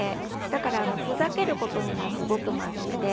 だからふざける事にもすごく真面目で。